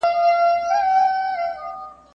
ګوندي تحلیلونو په هېواد کې تباهي راوسته.